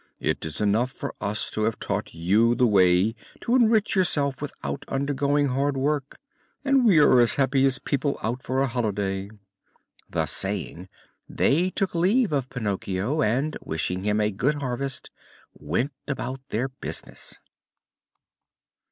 "It is enough for us to have taught you the way to enrich yourself without undergoing hard work, and we are as happy as people out for a holiday." Thus saying, they took leave of Pinocchio, and, wishing him a good harvest, went about their business.